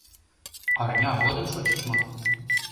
Арня водын шочыч мо?